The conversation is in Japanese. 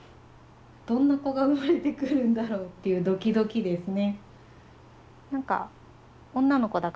どんな子が生まれてくるんだろうっていうドキドキですね。